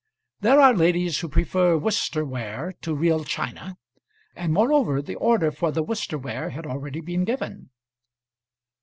There are ladies who prefer Worcester ware to real china; and, moreover, the order for the Worcester ware had already been given.